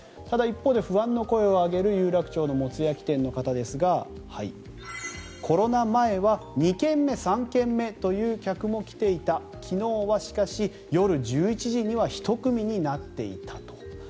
ただ一方で不安の声を上げる有楽町のモツ焼き店の方ですがコロナ前は２軒目３軒目という客も来ていた昨日はしかし、夜１１時には１組になっていたと。